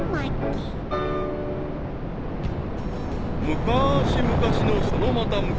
［昔昔のそのまた昔］